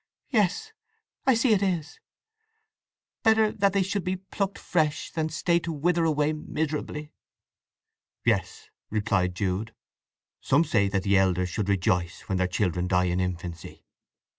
—Yes—I see it is! Better that they should be plucked fresh than stay to wither away miserably!" "Yes," replied Jude. "Some say that the elders should rejoice when their children die in infancy."